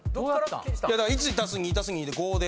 １足す２足す２で５で。